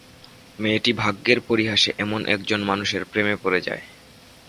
মেয়েটি ভাগ্যের পরিহাসে এমন একজন মানুষের প্রেমে পড়ে যায়।